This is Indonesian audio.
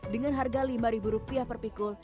dengan harga lima rupiah per pikul